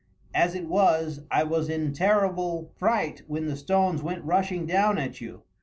As it was I was in terrible fright when the stones went rushing down at you.